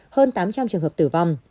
hơn tám trăm linh trường hợp tử vong